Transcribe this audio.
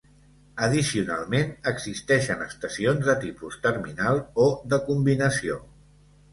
Addicionalment existeixen estacions de tipus terminal o de combinació.